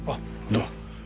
どうも。